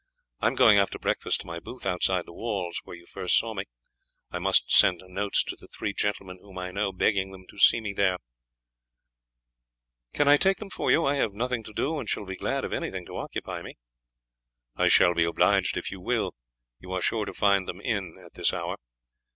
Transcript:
I am going after breakfast to my booth outside the walls, where you first saw me. I must send notes to the three gentlemen whom I know, begging them to see me there." "Can I take them for you? I have nothing to do, and shall be glad of anything to occupy me." "I shall be obliged if you will; you are sure to find them in at this hour."